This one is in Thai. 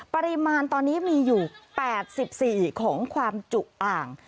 ปริมาณตอนนี้มีอยู่๘๔ของความจุอ่าง